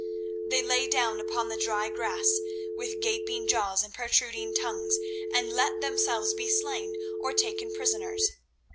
They lay down upon the dry grass with gaping jaws and protruding tongues, and let themselves be slain or taken prisoners.